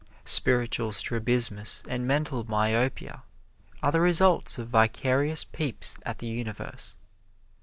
Spiritual strabismus and mental myopia are the results of vicarious peeps at the universe.